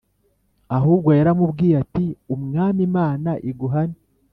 ahubwo yaramubwiye ati “umwami imana iguhane”